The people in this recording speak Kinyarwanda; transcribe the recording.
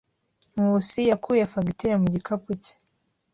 Nkusi yakuye fagitire mu gikapu cye.